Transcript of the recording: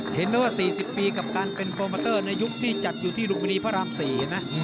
เห็นไหมว่า๔๐ปีกับการเป็นโปรโมเตอร์ในยุคที่จัดอยู่ที่ลุมพินีพระราม๔นะ